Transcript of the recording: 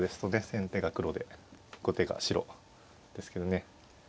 先手が黒で後手が白ですけどね。